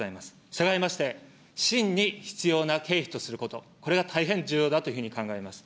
したがいまして、真に必要な経費とすること、これが大変重要だというふうに考えます。